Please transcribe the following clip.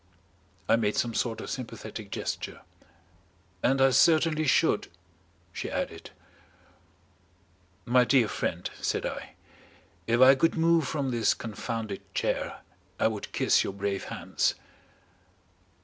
I made some sort of sympathetic gesture. "And I certainly should," she added. "My dear friend," said I, "if I could move from this confounded chair, I would kiss your brave hands."